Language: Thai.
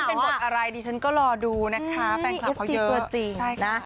เป็นบทอะไรดิฉันก็รอดูนะคะแฟนคลับเขาเยอะจริงนะ